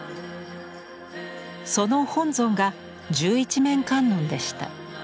その本尊が十一面観音でした。